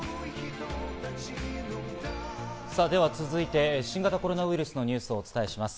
では続いて新型コロナウイルスのニュースをお伝えしていきます。